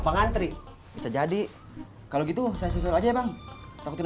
pak bulet panggil